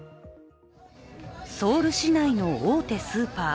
ソウル市内の大手スーパー。